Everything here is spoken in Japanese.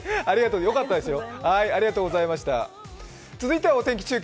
よかったですよ。